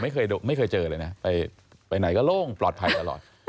ไม่เคยเจอเลยนะไปไหนก็โล่งปลอดภัยตลอด